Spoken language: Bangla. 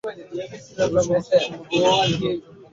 বিবাহের সমস্তক্ষণ কুমুর দু চোখ দিয়ে কেবল জল পড়েছে।